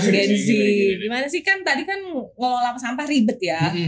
gimana sih kan tadi kan ngelola sampah ribet ya